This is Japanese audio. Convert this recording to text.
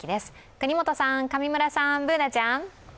國本さん、上村さん、Ｂｏｏｎａちゃん。